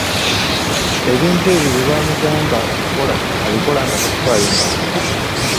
Ebintu ebyo bye bamugamba okukola abikola nga tassaayo mwoyo.